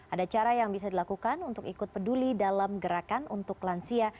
ada cara yang bisa dilakukan untuk ikut peduli dalam gerakan untuk lansia